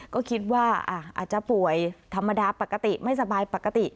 ก็คิดว่าอาจจะป่วยธรรมดาปกติไม่สบายปกติ